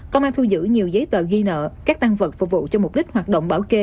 công an thu giữ nhiều giấy tờ ghi nợ các tăng vật phục vụ cho mục đích hoạt động bảo kê